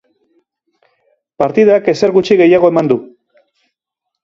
Partidak ezer gutxi gehiago eman du.